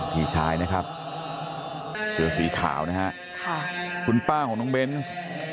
พี่ชายนะครับเสื้อสีขาวนะฮะค่ะคุณป้าของน้องเบนส์